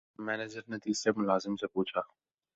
manager نے تیسرے ملازم سے پوچھا